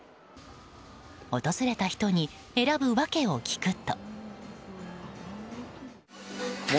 訪れた人に選ぶ訳を聞くと。